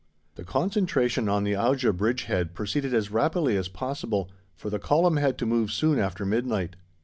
The concentration on the Auja bridgehead proceeded as rapidly as possible, for the Column had to move soon after midnight.